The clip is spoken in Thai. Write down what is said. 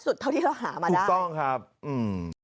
เท่าที่เราหามานะถูกต้องครับอืม